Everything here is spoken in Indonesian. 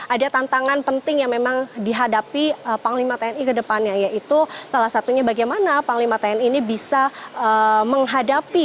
ada tantangan penting yang memang dihadapi panglima tni ke depannya yaitu salah satunya bagaimana panglima tni ini bisa menghadapi